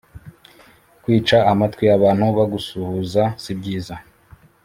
kwica amatwi abantu bagusuhuza sibyiza